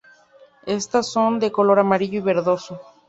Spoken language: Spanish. Estas son de color amarillo verdoso.